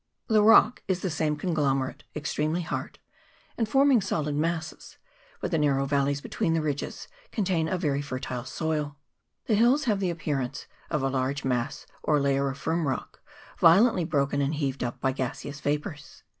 The rock is the same conglomerate, ex tremely hard, and forming solid masses ; but the narrow valleys between ridges contain a very fertile soil. The hills have the appearance of a large CHAP. XII.] NORTHERN ISLAND. 203 mass or layer of firm rock violently broken and heaved up by gaseous vapours.